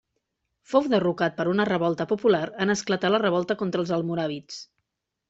Fou derrocat per una revolta popular en esclatar la revolta contra els almoràvits.